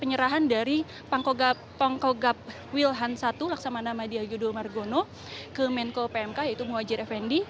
penyerahan dari pangkogap wilhan i laksamana madiagudul margono ke menko pmk yaitu muwajir fnd